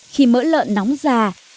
khi mỡ lợn nóng ra